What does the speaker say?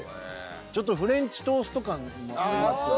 ちょっとフレンチトースト感もありますよね。